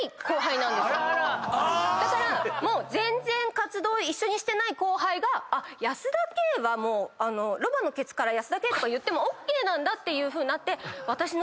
だからもう全然活動一緒にしてない後輩が保田圭はもう。とか言ってもＯＫなんだっていうふうになって私の。